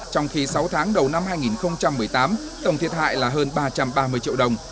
trong khi sáu tháng đầu năm hai nghìn một mươi tám tổng thiệt hại là hơn ba trăm ba mươi triệu đồng